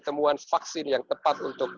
temuan vaksin yang tepat untuk